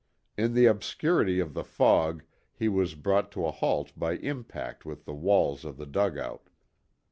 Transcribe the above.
In the obscurity of the fog he was brought to a halt by impact with the walls of the dugout.